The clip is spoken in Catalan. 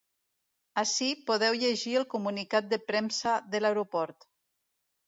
Ací podeu llegir el comunicat de premsa de l’aeroport.